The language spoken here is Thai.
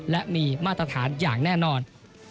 และมีมาตรฐานอย่างแน่นอน